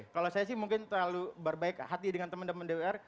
kalau saya sih mungkin terlalu berbaik hati dengan teman teman dpr